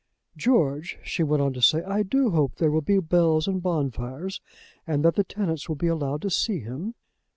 "George," she went on to say, "I do hope there will be bells and bonfires, and that the tenants will be allowed to see him."